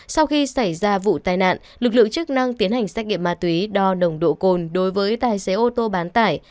sau khi xảy ra vụ tai nạn lực lượng chức năng tiến hành xét nghiệm ma túy đo nồng độ cồn đối với tài xế ô tô bán tải